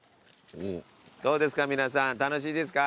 どうですか皆さん楽しいですか？